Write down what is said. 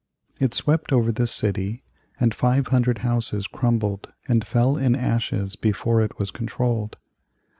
It swept over the city and 500 houses crumbled and fell in ashes before it was controlled.